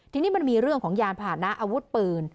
ทีนี้มันมีเรื่องของยานผ่านนะอาวุธปืน